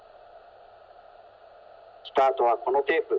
スタートはこのテープ。